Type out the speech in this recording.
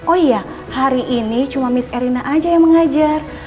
oh iya hari ini cuma mis erina aja yang mengajar